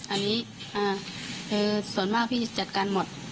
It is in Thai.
อันนี้คือส่วนมากพี่จัดการหมด